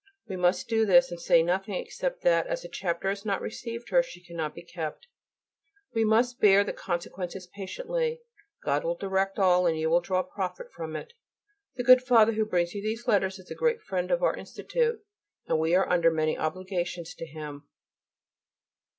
We must do this, and say nothing, except that as the Chapter has not received her she cannot be kept, and we must bear the consequences patiently. God will direct all and you will draw profit from it. The good Father who brings you these letters is a great friend of our Institute, and we are under many obligations to him.